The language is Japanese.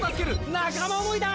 仲間想いだ！